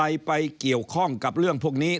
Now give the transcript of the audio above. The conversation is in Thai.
ไปเกี่ยวข้องกับเรื่องพวกนี้